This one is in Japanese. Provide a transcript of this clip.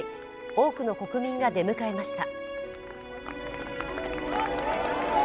多くの国民が出迎えました。